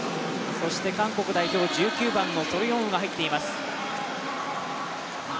韓国代表、１９番のソル・ヨンウが入っています。